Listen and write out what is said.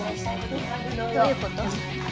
どういうこと？